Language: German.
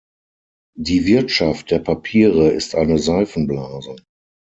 Die Wirtschaft der Papiere ist eine Seifenblase.